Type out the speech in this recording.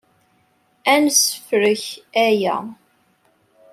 Ad nessefrek aya.